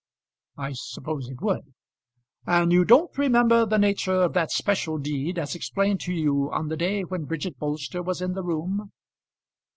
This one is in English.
"I suppose it would." "And you don't remember the nature of that special deed, as explained to you on the day when Bridget Bolster was in the room?"